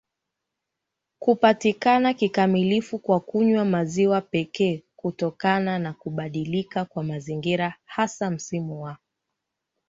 kupatikana kikamilifu kwa kunywa maziwa pekee Kutokana na kubadilika kwa mazingira hasa msimu wa